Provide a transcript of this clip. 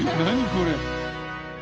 これ。